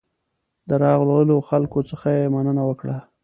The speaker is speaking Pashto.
د راغلو خلکو څخه یې مننه وکړه.